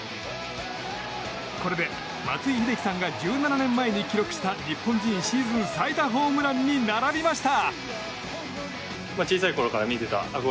これで松井秀喜さんが１７年前に記録した日本人シーズン最多ホームランに並びました。